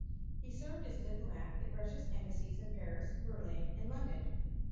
He served as diplomat at Russia's embassies in Paris, Berlin, and London.